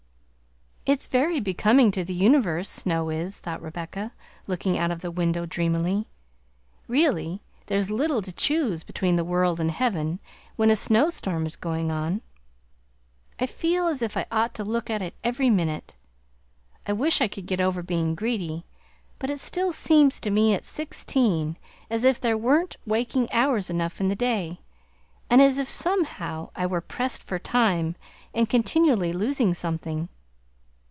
"It's very becoming to the universe, snow is!" thought Rebecca, looking out of the window dreamily. "Really there's little to choose between the world and heaven when a snowstorm is going on. I feel as if I ought to look at it every minute. I wish I could get over being greedy, but it still seems to me at sixteen as if there weren't waking hours enough in the day, and as if somehow I were pressed for time and continually losing something.